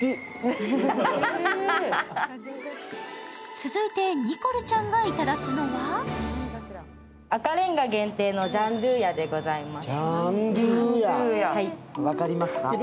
続いてニコルちゃんがいただくのは赤レンガ限定のジャンドゥーヤでございます。